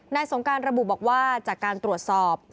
สงการระบุบอกว่าจากการตรวจสอบ